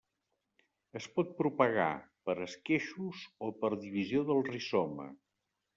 Es pot propagar per esqueixos o per divisió del rizoma.